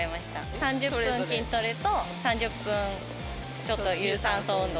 ３０分筋トレと、３０分ちょっと、有酸素運動。